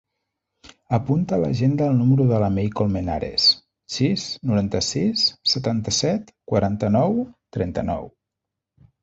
Apunta a l'agenda el número de la Mei Colmenares: sis, noranta-sis, setanta-set, quaranta-nou, trenta-nou.